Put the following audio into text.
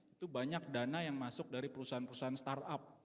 itu banyak dana yang masuk dari perusahaan perusahaan startup